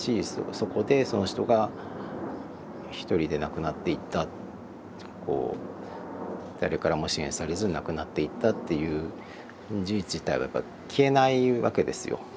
そこでその人が一人で亡くなっていった誰からも支援されず亡くなっていったっていう事実自体は消えないわけですよ。